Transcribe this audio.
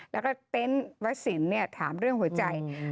แล้วก็เต้นวัศิลป์เนี่ยถามเรื่องหัวใจ